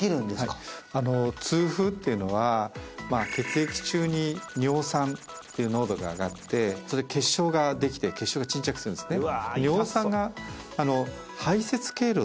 はい痛風っていうのはまあ血液中に尿酸っていう濃度が上がって結晶ができて結晶が沈着するんですね